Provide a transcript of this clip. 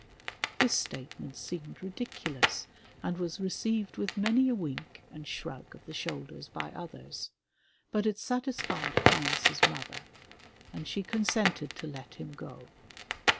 This statement seemed ridiculous and was received with many a wink and shrug of the shoulders by others, but it satisfied Hans's mother and she con sented to let him go.